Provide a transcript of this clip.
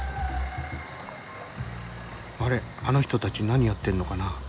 あれあの人たち何やってるのかな。